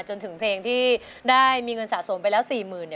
จนถึงเพลงที่ได้มีเงินสะสมไปแล้วสี่หมื่น